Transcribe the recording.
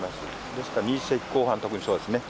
ですから２０世紀後半特にそうですね。